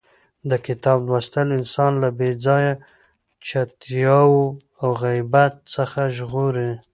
د کتاب لوستل انسان له بې ځایه چتیاو او غیبت څخه ژغوري.